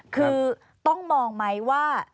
คือต้องมองไหมว่า